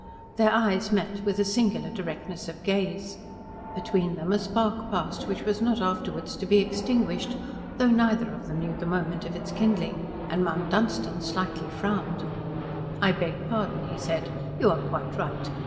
Their eyes met with a singular directness of gaze. Between them a spark passed which was not afterwards to be extinguished, though neither of them knew the moment of its kindling, and Mount Dunstan slightly frowned. "I beg pardon," he said. "You are quite right.